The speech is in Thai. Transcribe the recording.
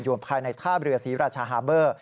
ภายในท่าเรือศรีราชาฮาเบอร์